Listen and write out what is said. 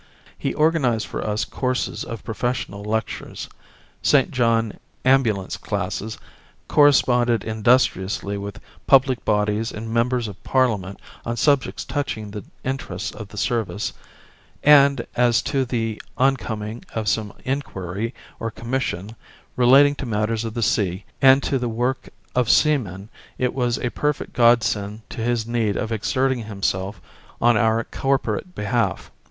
He organised for us courses of professional lectures, St. John ambulance classes, corresponded industriously with public bodies and members of Parliament on subjects touching the interests of the service; and as to the oncoming of some inquiry or commission relating to matters of the sea and to the work of seamen, it was a perfect godsend to his need of exerting himself on our corporate behalf.